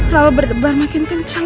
rawa berdebar makin kencang